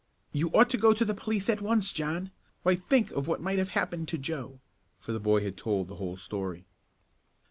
"You ought to go to the police at once, John! Why think of what might have happened to Joe," for the boy had told the whole story.